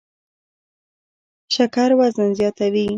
شکر وزن زیاتوي